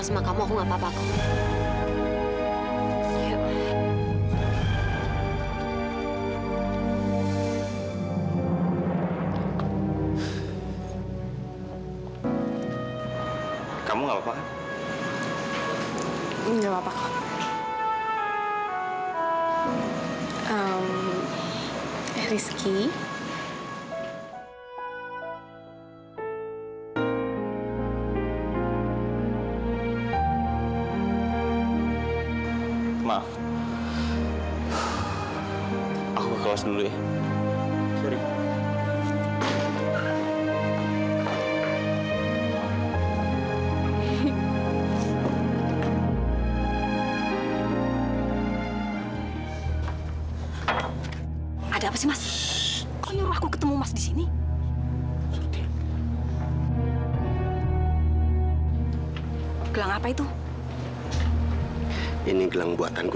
sampai jumpa di video selanjutnya